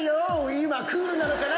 今クールなのかな？